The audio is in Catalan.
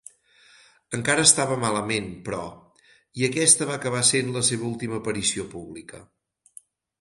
Encara estava malament, però, i aquesta va acabar sent la seva última aparició pública.